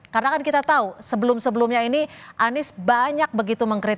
karena kan kita tahu sebelum sebelumnya ini anies banyak begitu mengkritik